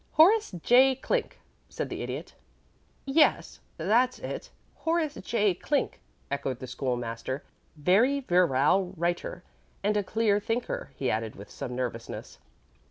"Horace J. Clink," said the Idiot. "Yes; that's it Horace J. Clink," echoed the School master. "Very virile writer and a clear thinker," he added, with some nervousness.